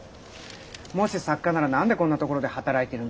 もし作家なら何でこんな所で働いてるんでしょう。